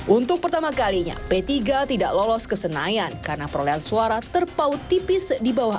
untuk pertama kalinya p tiga tidak lolos ke senayan karena perolehan suara terpaut tipis di bawah